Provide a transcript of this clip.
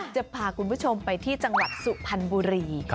จะพาคุณผู้ชมไปที่จังหวัดสุพรรณบุรี